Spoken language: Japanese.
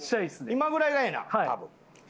今ぐらいがええな多分。